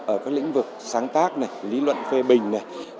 ở các lĩnh vực sáng tác này lý luận phê bình này